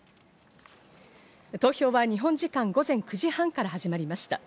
投票は日本時間午前９時半から始まりました。